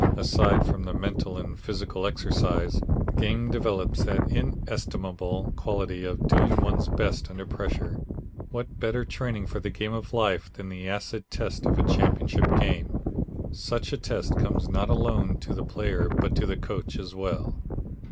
Aside from the mental and physical exercise, the game develops that inestimable quality of doing one's best under pressure. What better training for the game of life than the acid test of a championship game. Such a test comes not alone to the player but to the coach as well.